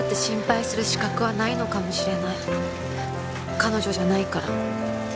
彼女じゃないから